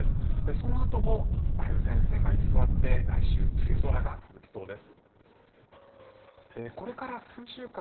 そのあとも、梅雨前線が居座って来週、梅雨空が続きそうです。